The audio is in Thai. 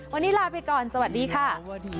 วันนี้ลาไปก่อนสวัสดีค่ะ